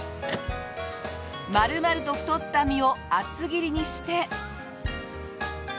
丸々と太った身を厚切りにして。